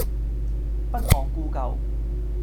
不忘故舊